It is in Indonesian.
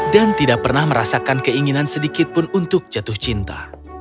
dan tidak pernah merasakan keinginan sedikitpun untuk jatuh cinta